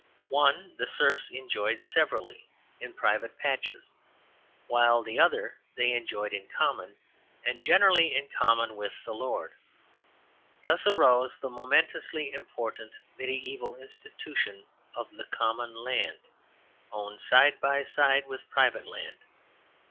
One the serfs enjoyed severally, in private patches, while the other they enjoyed in common, and generally in common with the lord. Thus arose the momentously important mediæval institutions of the Common Land, owned side by side with private land.